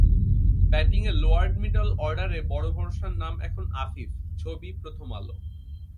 ব্যাটিংয়ে lower middle অর্ডারে বড় ভরসার নাম এখন আফিফ ছবি: প্রথম আলো